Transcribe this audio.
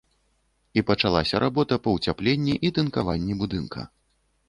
І пачалася работа па ўцяпленні і тынкаванні будынка.